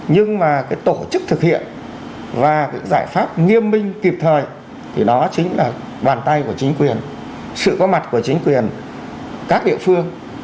nhưng mà cái tổ chức thực hiện và cái giải pháp nghiêm minh kịp thời thì đó chính là bàn tay của chính quyền sự có mặt của chính quyền các địa phương